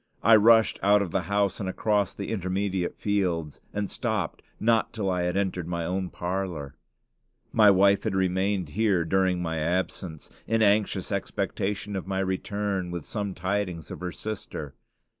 I rushed out of the house and across the intermediate fields, and stopped not till I entered my own parlor. My wife had remained here during my absence, in anxious expectation of my return with some tidings of her sister.